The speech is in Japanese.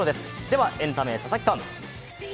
ではエンタメ、佐々木さん。